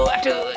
aduh aduh aduh